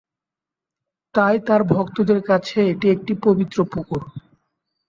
তাই তার ভক্তদের কাছে এটি একটি পবিত্র পুকুর।